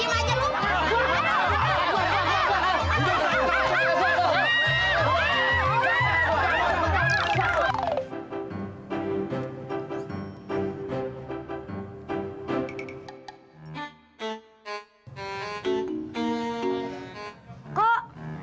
hilangin aja gua